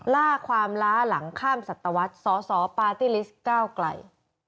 ล่าความล้าหลังข้ามสัตวรรษสสปาร์ตี้ลิสต์ก้าวไกล